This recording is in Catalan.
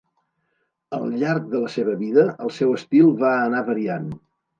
Al llarg de la seva vida el seu estil va anar variant.